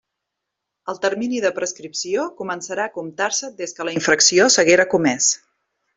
El termini de prescripció començarà a comptar-se des que la infracció s'haguera comés.